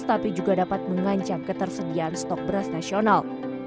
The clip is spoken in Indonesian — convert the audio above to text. tapi juga dapat mengancam ketersediaan stok beras nasional